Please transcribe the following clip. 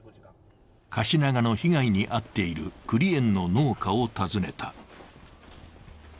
カシナガの被害に遭っているクリ園の農家を訪ねた。